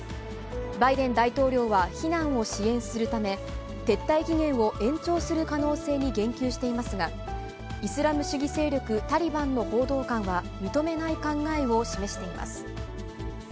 バイデン大統領は避難を支援するため、撤退期限を延長する可能性に言及していますが、イスラム主義勢力タリバンの報道官は、認めない考えを示しています。